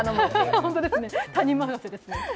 本当ですね、他人任せです。